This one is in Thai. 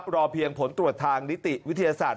รอเพียงผลตรวจทางนิติวิทยาศาสตร์